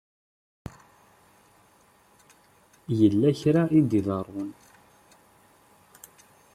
Yella kra i d-iḍerrun?